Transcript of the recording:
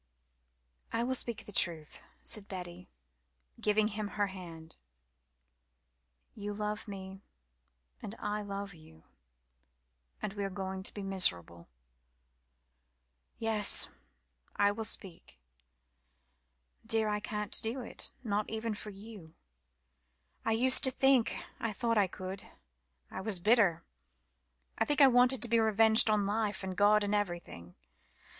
"I will speak the truth," said Betty, giving him her other hand. "You love me and I love you, and we are going to be miserable. Yes I will speak. Dear, I can't do it. Not even for you. I used to think I thought I could. I was bitter. I think I wanted to be revenged on life and God and everything.